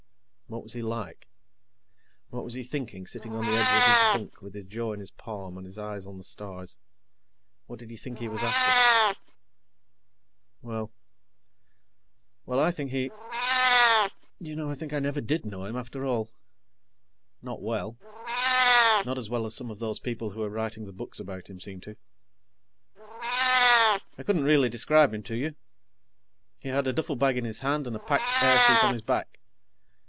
What was he like? What was he thinking, sitting on the edge of his bunk with his jaw in his palm and his eyes on the stars? What did he think he was after? Well ... Well, I think he You know, I think I never did know him, after all. Not well. Not as well as some of those people who're writing the books about him seem to. I couldn't really describe him to you. He had a duffelbag in his hand and a packed airsuit on his back.